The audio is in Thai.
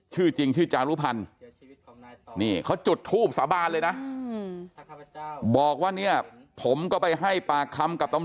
ชื่อจริงชื่อจานลูกพันธ์